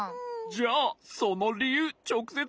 じゃあそのりゆうちょくせつ